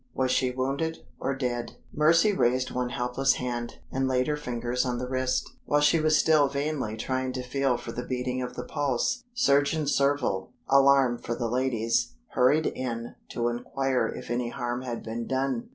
Was she wounded? or dead? Mercy raised one helpless hand, and laid her fingers on the wrist. While she was still vainly trying to feel for the beating of the pulse, Surgeon Surville (alarmed for the ladies) hurried in to inquire if any harm had been done.